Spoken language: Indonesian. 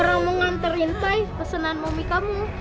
orang mau nganterin pie pesenan momi kamu